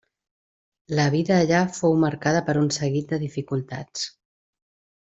La vida allà fou marcada per un seguit de dificultats.